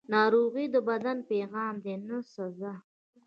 ناروغي د بدن پیغام دی، نه سزا.